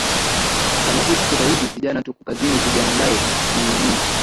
kama sisi sasa hivi vijana tuko kazini tujiaandae ni muhimu